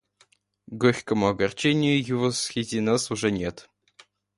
К горькому огорчению, его среди нас уже нет.